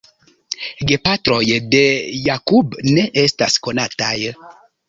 Gepatroj de Jakub ne estas konataj.